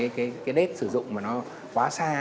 với cả cái đết sử dụng mà nó quá xa